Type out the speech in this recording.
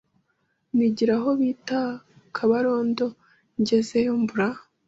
nigira aho bita kabarondo ngezeyo mbura